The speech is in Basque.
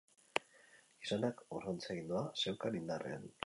Gizonak urruntze agindua zeukan indarrean.